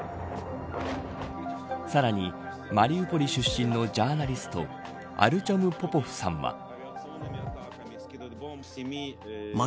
さらにマリウポリ出身のジャーナリストアルチョム・ポポフさんは。